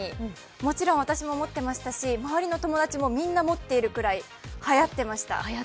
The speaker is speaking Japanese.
もちろん私も持ってましたし周りの友達もみんな持ってるぐらいはやっていました。